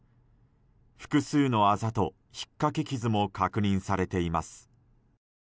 複数のあざとひっかき傷も確認されています。